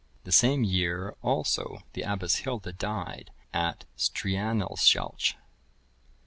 The same year also the Abbess Hilda died at Streanaeshalch.